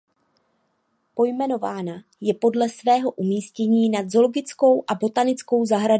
Pojmenována je podle svého umístění nad Zoologickou a botanickou zahradou města Plzně.